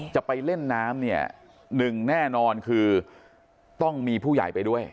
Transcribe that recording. จะไปเล่นน้ำเนี่ยหนึ่งแน่นอนคือต้องมีผู้ใหญ่ไปด้วย